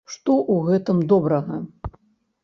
Што ў гэтым добрага?